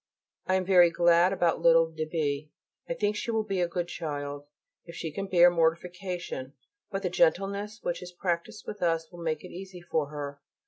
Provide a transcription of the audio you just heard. I am very glad about little de B. I think she will be a good child if she can bear mortification, but the gentleness which is practised with us will make it easy for her.